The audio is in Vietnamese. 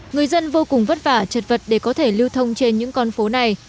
người dân vô cùng vất vả trật vật để có thể lưu thông trên những con phố này